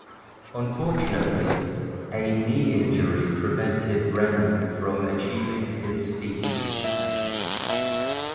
Unfortunately, a knee injury prevented Brennan from achieving this feat.